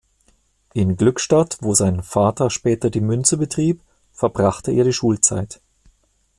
In Glückstadt, wo sein Vater später die Münze betrieb, verbrachte er die Schulzeit.